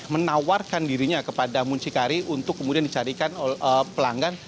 menawarkan dirinya kepada muncikari untuk kemudian dicarikan pelanggan